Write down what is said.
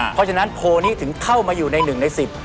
เพราะฉะนั้นโพลนี้ถึงเข้ามาอยู่ในหนึ่งในสิบ